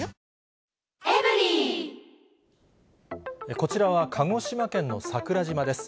こちらは鹿児島県の桜島です。